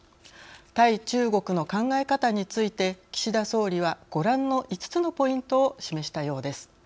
対中国の考え方について岸田総理はご覧の５つのポイントを示したようです。